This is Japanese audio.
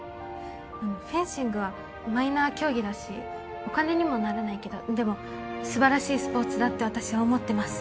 フェンシングはマイナー競技だしお金にもならないけどでも素晴らしいスポーツだって私は思ってます